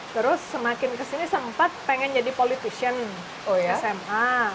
terus semakin kesini sempat pengen jadi politician sma